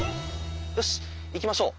よし行きましょう。